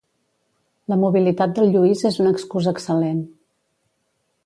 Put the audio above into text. La mobilitat del Lluís és una excusa excel·lent.